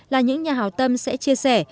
là những nhà hào tâm sẽ chia sẻ